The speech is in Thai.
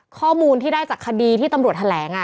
ข้อมูลที่ได้จากคดีที่ตำรวจแถลง